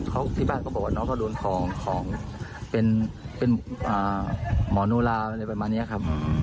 เขาที่บ้านเขาบอกว่าน้องเขาโดนทองของเป็นเป็นอ่าหมอนูลาอะไรประมาณเนี้ยครับ